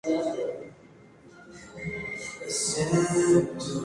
Obtuvo campeonatos en juveniles de la Selección Nacional.